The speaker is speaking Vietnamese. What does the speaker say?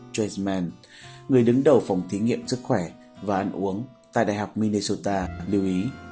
traceman người đứng đầu phòng thí nghiệm sức khỏe và ăn uống tại đại học minnesota lưu ý